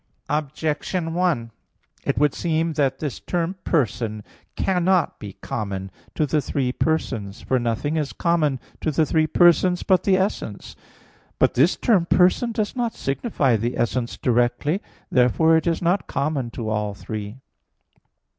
Objection 1: It would seem that this term "person" cannot be common to the three persons. For nothing is common to the three persons but the essence. But this term "person" does not signify the essence directly. Therefore it is not common to all three.